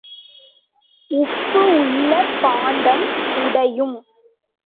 உப்பு உள்ள பாண்டம் உடையும்.